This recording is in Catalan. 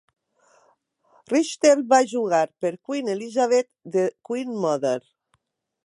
Richter va jugar per Queen Elizabeth The Queen Mother.